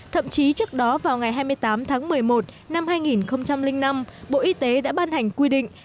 thậm chí trước đó vào ngày hai mươi tám tháng một mươi một năm hai nghìn năm bộ y tế đã ban hành quy định